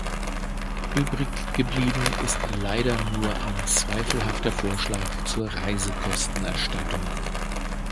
Übriggeblieben ist leider nur ein zweifelhafter Vorschlag zur Reisekostenerstattung.